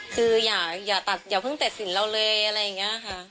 คืออย่าตัดอย่าเพิ่งตัดสินเราเลยอะไรอย่างนี้ค่ะ